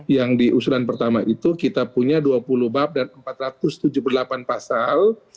yang di usulan pertama itu kita punya dua puluh bab dan empat ratus tujuh puluh delapan pasal